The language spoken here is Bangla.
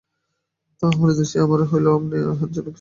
তা, হরিদাসী আমারই হইল, আপনি ইহার জন্য কিছুমাত্র ভাবিবেন না।